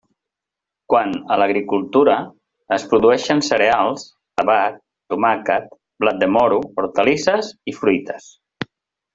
Quant a l'agricultura, es produeixen cereals, tabac, tomàquet, blat de moro, hortalisses i fruites.